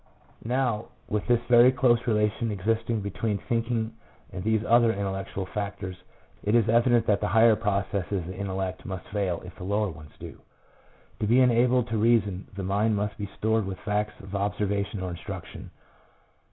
Now, with this very close relation existing between thinking and these other intellectual factors, it is evident that the higher processes of the intellect must fail if the lower ones do. To be enabled to reason, the mind must be stored with facts of observation or instruction.